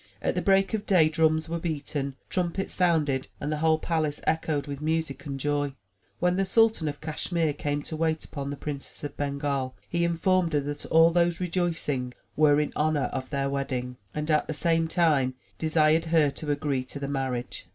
At the break of day, drums were beaten, trumpets sounded and the whole palace echoed with music and joy. When the Sultan of Cashmere came to wait upon the Princess of Bengal, he informed her that all those rejoicings were in honor of their wedding; and at the same time, desired her to agree to the marriage.